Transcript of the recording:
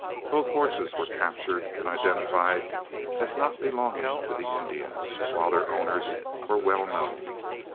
Both horses were captured and identified as not belonging to the Indians, while their owners were well known.